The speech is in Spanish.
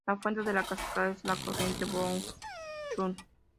La fuente de la cascada es la corriente Donghong-chun.